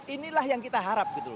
inilah yang kita harap gitu loh